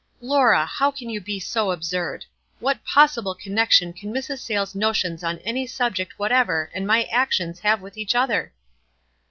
"Laura ! how can you be so absurd. What jJossible connection can Mrs. Saylcs's notions on any subject whatever and my actions have with each other?"